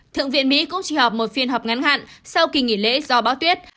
thượng viện mỹ cũng chỉ họp một phiên họp ngắn hạn sau kỳ nghỉ lễ do báo tuyết